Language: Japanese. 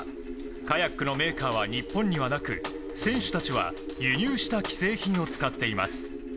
カヤックのメーカーは日本にはなく選手たちは輸入した既製品を使っています。